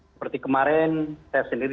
seperti kemarin saya sendiri